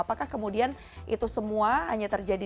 apakah kemudian itu semua hanya terjadi